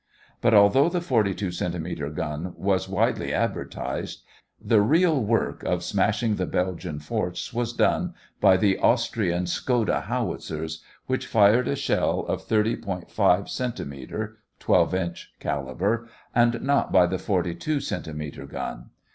But although the 42 centimeter gun was widely advertised, the real work of smashing the Belgian forts was done by the Austrian "Skoda" howitzers, which fired a shell of 30.5 centimeter (12 inch) caliber, and not by the 42 centimeter gun.